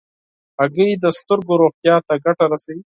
هګۍ د سترګو روغتیا ته ګټه رسوي.